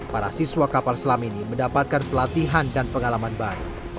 para siswa kapal selam ini mendapatkan pelatihan dan pengalaman baru